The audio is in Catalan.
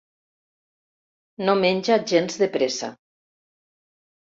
No menja gens de pressa.